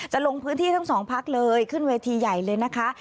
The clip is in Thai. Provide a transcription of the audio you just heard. ลงพื้นที่ทั้งสองพักเลยขึ้นเวทีใหญ่เลยนะคะ